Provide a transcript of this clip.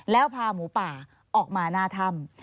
แล้วพาหมูป่าออกมาหน้าถ้ำ